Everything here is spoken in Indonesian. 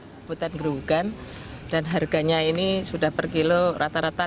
pemerintah gerobogan dan harganya ini sudah per kilo rata rata rp lima